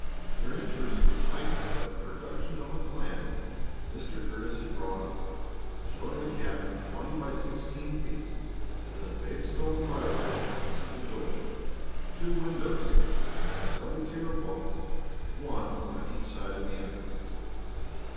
Their interest was heightened by the production of a plan Mr. Curtis had drawn up, showing a cabin twenty by sixteen feet, with a big stone fireplace opposite the door, two windows, and a double tier of bunks, one on each side of the entrance.